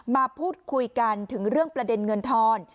มาพูดคุยกันถึงเรื่องประเด็นเงินทอน